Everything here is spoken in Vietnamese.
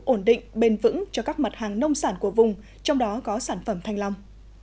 ổn định bền vững cho các mặt hàng nông sản của vùng trong đó có sản phẩm thanh long